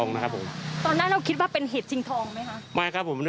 อนุ้ยเยี่ยวอยากจะเสียงแคนนี้นะครับมติ